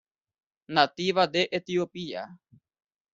Nativa de Etiopía.